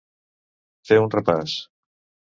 Fer un repàs.